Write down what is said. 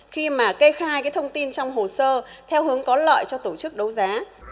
khi mà cây khai cái thông tin trong hồ sơ theo hướng có lợi cho tổ chức đấu giá